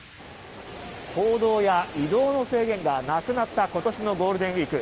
行動や移動の制限がなくなった今年のゴールデンウィーク。